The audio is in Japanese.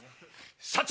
社長！